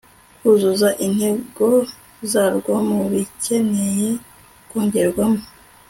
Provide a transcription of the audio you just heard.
kuzuza intego zarwo mu bikeneye kongerwamo